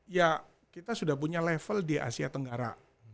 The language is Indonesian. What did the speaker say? ya kita sudah punya level di asia tenggara